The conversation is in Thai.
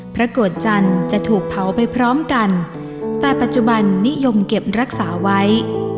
โกรจันทร์จะถูกเผาไปพร้อมกันแต่ปัจจุบันนิยมเก็บรักษาไว้